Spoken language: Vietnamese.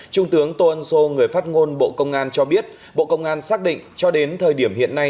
trung tướng tô ân sô người phát ngôn bộ công an cho biết bộ công an xác định cho đến thời điểm hiện nay